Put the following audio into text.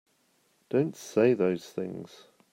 Don't say those things!